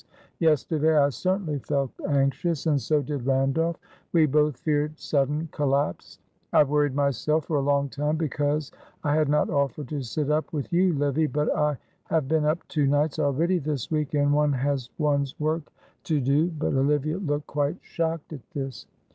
Yesterday I certainly felt anxious, and so did Randolph. We both feared sudden collapse. I worried myself for a long time because I had not offered to sit up with you, Livy, but I have been up two nights already this week, and one has one's work to do;" but Olivia looked quite shocked at this.